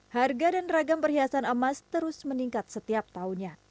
harga dan ragam perhiasan emas terus meningkat setiap tahunnya